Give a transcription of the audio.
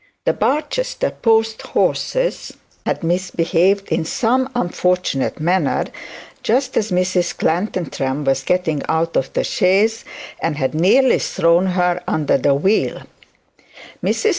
The Barchester post horses had misbehaved in some unfortunate manner just as Mrs Clantantram was getting out of the chaise and had nearly thrown her under the wheel.